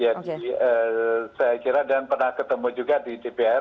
jadi saya kira dan pernah ketemu juga di tpr